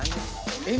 ini jalan ada yang